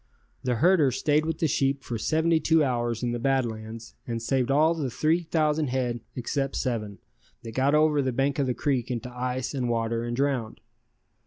The herder stayed with the sheep for seventy two hours in the Bad Lands and saved all the 3,000 head except seven, that got over the bank of the creek into ice and water and drowned.